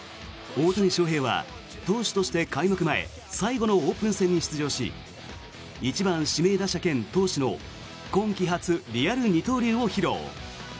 大谷翔平は投手として開幕前最後のオープン戦に出場し１番指名打者兼投手の今季初リアル二刀流を披露。